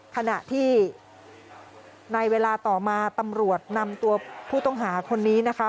ขณะที่ในเวลาต่อมาตำรวจนำตัวผู้ต้องหาคนนี้นะคะ